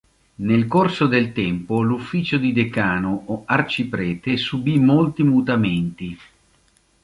Nel corso del tempo l'ufficio di decano o arciprete subì molti mutamenti.